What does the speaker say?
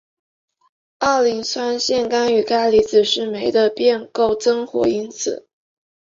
二磷酸腺苷与钙离子是酶的变构增活因子。